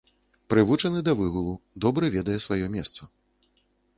Прывучаны да выгулу, добра ведае сваё месца.